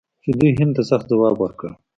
چې دوی هند ته سخت ځواب ورکړ.